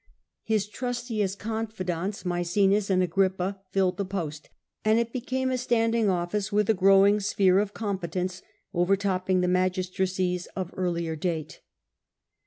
His trustiest confidants, Maecenas and Agrippa, filled the post, and it became a standing office, with a growing sphere of competence, overtopping the magistracies of earlier date.